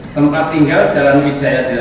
tempat tinggal jalan wijaya desa